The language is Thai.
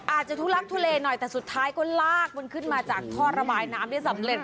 ทุลักทุเลหน่อยแต่สุดท้ายก็ลากมันขึ้นมาจากท่อระบายน้ำได้สำเร็จ